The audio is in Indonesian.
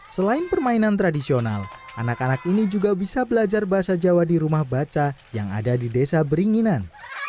selain permainan tradisional anak anak ini juga bisa belajar bahasa jawa di rumah baca yang ada di desa beringinan